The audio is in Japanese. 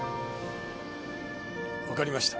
分かりました。